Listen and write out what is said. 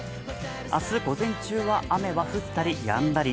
明日午前中は雨は降ったりやんだり。